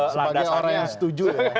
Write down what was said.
sebagai orang yang setuju